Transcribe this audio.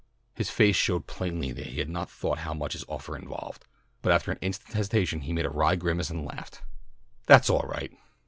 His face showed plainly that he had not thought how much his offer involved, but after an instant's hesitation he made a wry grimace and laughed. "That's all right.